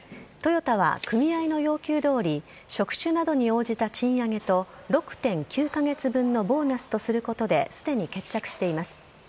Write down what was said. トヨタは、組合の要求どおり、職種などに応じた賃上げと、６．９か月分のボーナスとすることですでに決着しています。